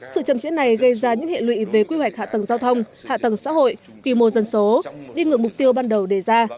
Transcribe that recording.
sự trầm trễ này gây ra những hệ lụy về quy hoạch hạ tầng giao thông hạ tầng xã hội quy mô dân số đi ngược mục tiêu ban đầu đề ra